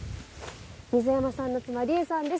水山さんの妻・里恵さんです。